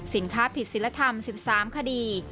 สินค้าผิดศิลธรรม๑๓คดี